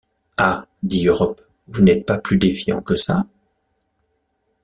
Ah! dit Europe, vous n’êtes pas plus défiant que ça?...